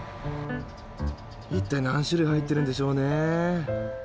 一体、何種類入っているんでしょうね。